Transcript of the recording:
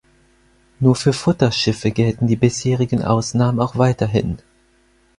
Nur für Futterschiffe gelten die bisherigen Ausnahmen auch weiterhin.